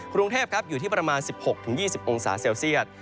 กรุงเทพอยู่ที่ประมาณ๑๖๒๐องศาเซลเซียต